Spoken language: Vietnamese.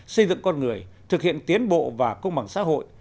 xây dựng con người thực hiện tiến bộ và công bằng xã hội